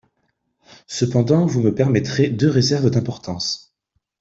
Cependant, vous me permettrez deux réserves d’importance.